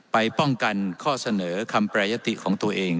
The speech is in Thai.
ไปป้องกันข้อเสนอคำแปรยติของตัวเอง